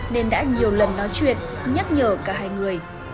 nên đã nhiều lần nói chuyện nhắc nhở cả hai người